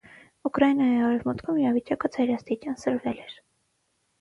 Ուկրաինայի արևմուտքում իրավիճակը ծայրաստիճան սրվել էր։